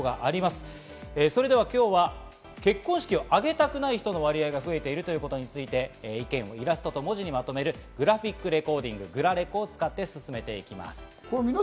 それでは今日は、結婚式を挙げたくない人の割合が増えているということについて意見を皆さんのイラストと文字にまとめるグラフィックレコーディング、グラレコにまとめます。